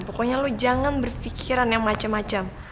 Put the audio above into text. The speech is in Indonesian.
pokoknya lo jangan berpikiran yang macem macem